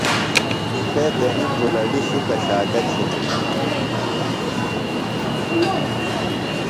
تھے تںِم بُلَڈیۡ شُکہ شاکہ چِھنِلہ۔